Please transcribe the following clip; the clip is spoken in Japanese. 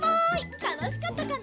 たのしかったかな？